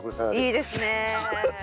いいですねえ。